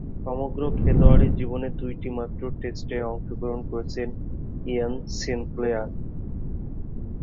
সমগ্র খেলোয়াড়ী জীবনে দুইটিমাত্র টেস্টে অংশগ্রহণ করেছেন ইয়ান সিনক্লেয়ার।